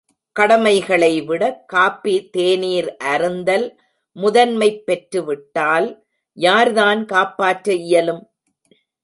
கடமைகளைவிட coffee, தேநீர் அருந்தல் முதன்மைப் பெற்றுவிட்டால் யார்தான் காப்பாற்ற இயலும்.